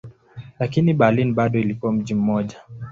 Lakini Berlin bado ilikuwa mji mmoja.